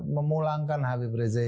memulangkan habib rizieq